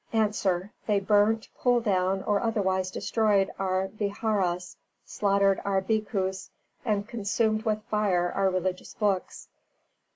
_ A. They burnt, pulled down or otherwise destroyed our vihāras, slaughtered our Bhikkhus, and consumed with fire our religious books.